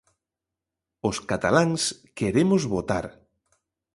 Os cataláns queremos votar.